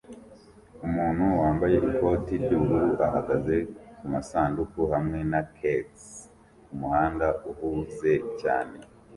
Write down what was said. Umuntu wambaye ikoti ry'ubururu ahagaze kumasanduku hamwe na kegs kumuhanda uhuze cyane